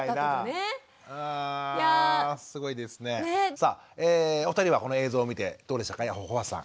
さあお二人はこの映像を見てどうでしたか帆足さん